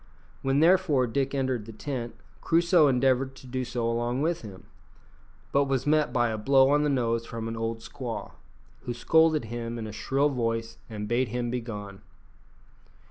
When therefore Dick entered the tent, Crusoe endeavoured to do so along with him; but he was met by a blow on the nose from an old squaw, who scolded him in a shrill voice and bade him begone.